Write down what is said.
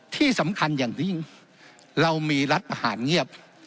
ที่สำคัญอย่างยิ่งเรามีรัฐประหารเงียบ